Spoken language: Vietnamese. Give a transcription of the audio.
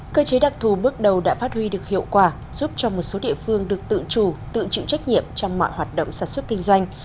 cơ chế đặc thù bước đầu đã phát huy được hiệu quả giúp cho một số địa phương được tự chủ tự chịu trách nhiệm trong mọi hoạt động sản xuất kinh doanh